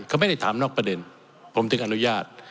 เขาไม่ได้ถามนอกประเด็นผมถึงอนุญาต